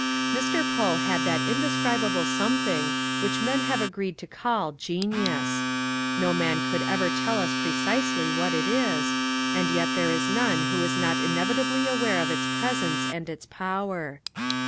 Mr. Poe had that indescribable something which men have agreed to call genius. No man could ever tell us precisely what it is, and yet there is none who is not inevitably aware of its presence and its power.